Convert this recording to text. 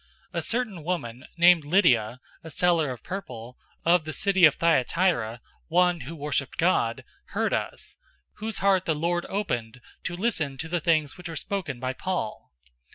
016:014 A certain woman named Lydia, a seller of purple, of the city of Thyatira, one who worshiped God, heard us; whose heart the Lord opened to listen to the things which were spoken by Paul.